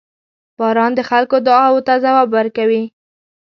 • باران د خلکو دعاوو ته ځواب ورکوي.